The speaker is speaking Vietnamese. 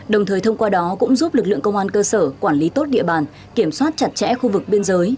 đồng thời thông qua đó cũng giúp lực lượng công an cơ sở quản lý tốt địa bàn kiểm soát chặt chẽ khu vực biên giới